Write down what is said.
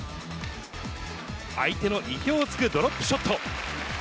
相手の意表をつくドロップショット。